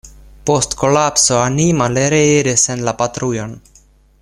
Post kolapso anima li reiris en la patrujon.